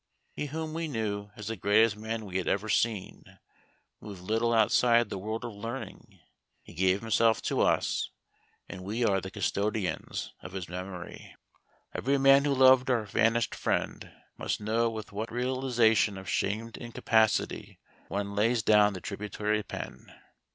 He whom we knew as the greatest man we had ever seen, moved little outside the world of learning. He gave himself to us, and we are the custodians of his memory. Every man who loved our vanished friend must know with what realization of shamed incapacity one lays down the tributary pen.